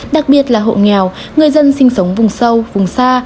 đặc biệt là hộ nghèo người dân sinh sống vùng sâu vùng xa